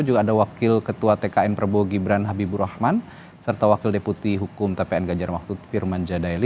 juga ada wakil ketua tkn prabowo gibran habibur rahman serta wakil deputi hukum tpn ganjar waktu firman jadaeli